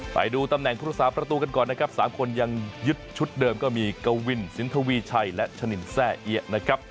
ไปดูตำแหน่งผู้รักษาประตูกันก่อนนะครับ๓คนยังยึดชุดเดิมก็มีกวินสินทวีชัยและชะนินแซ่เอี๊ยะนะครับ